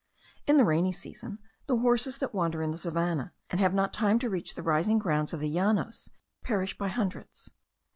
In the rainy season, the horses that wander in the savannah, and have not time to reach the rising grounds of the Llanos, perish by hundreds.